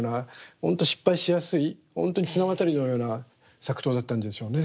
ほんと失敗しやすいほんとに綱渡りのような作陶だったんでしょうね。